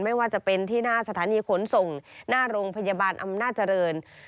ไม่ว่าจะเป็นที่หน้าสถานีขนส่งหน้าโรงพยาบาลอำนาจเจริญ